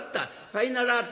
さいなら」。